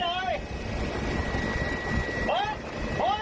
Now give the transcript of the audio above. อย่าให้ไฟดับนะ